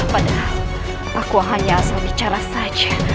padahal aku hanya asal bicara saja